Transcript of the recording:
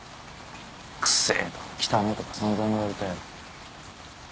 臭えとか汚えとか散々言われたよ。